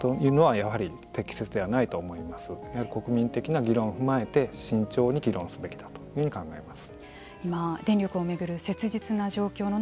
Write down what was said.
やはり国民的な議論を踏まえて慎重に議論すべきだというふうに考えます。